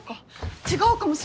違うかもしれない。